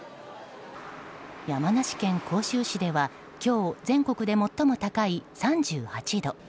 山梨県甲州市では今日全国で最も高い３８度。